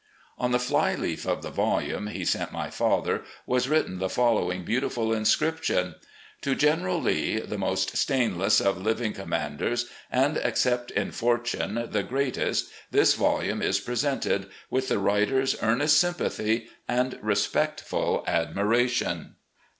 On the fly leaf of the volume he sent my father was written the following beautiful inscription; "To General Lee, THE MOST STAINLESS OF LIVING COMMANDERS AND, EXCEPT IN FORTUNE, THE GREATEST, THIS VOLUME IS PRESENTED WITH THE writer's EARNEST SYMPATHY AND RESPECTFUL ADMIRATION *